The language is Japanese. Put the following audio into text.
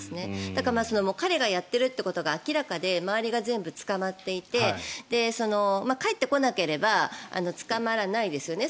だから彼がやっているということが明らかで周りが全部捕まっていて帰ってこなければ捕まらないですよね